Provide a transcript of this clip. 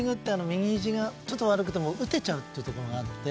右ひじがちょっと悪くても打てちゃうところがあるので。